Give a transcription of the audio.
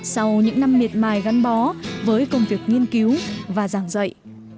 sau những năm miệt mài gắn bó với công việc nghiên cứu và giảng dạy